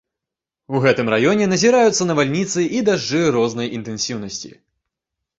У гэтым раёне назіраюцца навальніцы і дажджы рознай інтэнсіўнасці.